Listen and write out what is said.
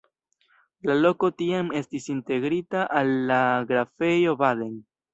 La loko tiam estis integrita al la Grafejo Baden.